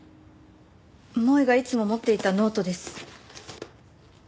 萌絵がいつも持っていたノートです。